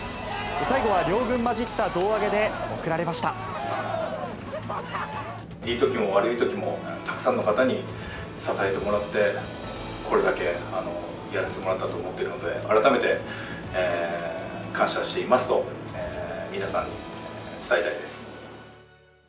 最後は両軍交じった胴上げで送らいいときも悪いときも、たくさんの方に支えてもらって、これだけやらせてもらったと思っているので、改めて感謝していますと、皆さんに伝えたいです。